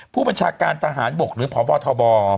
ผู้บัญชาการทหารบกหรือพบทบ